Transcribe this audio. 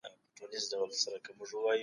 هغه فرد چي يوازي دی په خطر کي دی.